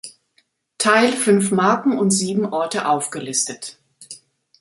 Teil fünf Marken und sieben Orte aufgelistet.